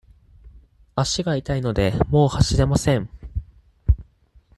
足が痛いので、もう走れません。